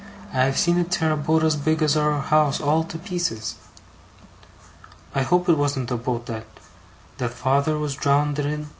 I have seen it tear a boat as big as our house, all to pieces.' 'I hope it wasn't the boat that ' 'That father was drownded in?